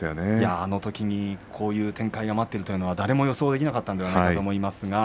あのときにこういう展開が待っているとは誰も予想できなかったと思います。